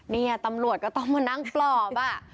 นี่ตำรวจก็ต้องมานั่งปลอบ